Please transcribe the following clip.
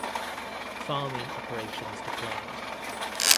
Farming operations declined.